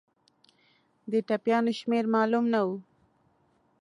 د ټپیانو شمېر معلوم نه وو.